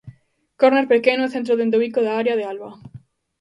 Córner pequeno e centro dende o bico da área de Alba.